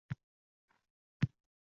“yopiq sferaga” qanday ta’sir